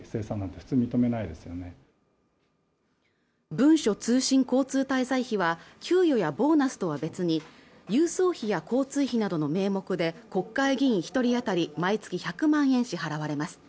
文書通信交通滞在費は給与やボーナスとは別に郵送費や交通費などの名目で国会議員一人当たり毎月１００万円支払われます